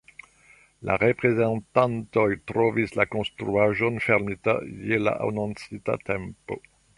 La reprezentantoj trovis la konstruaĵon fermita je la anoncita tempo.